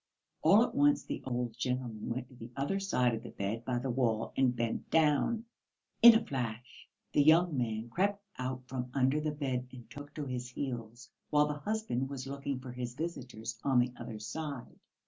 All at once the old gentleman went to the other side of the bed by the wall and bent down. In a flash the young man crept out from under the bed and took to his heels, while the husband was looking for his visitors on the other side.